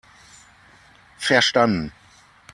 Verstanden!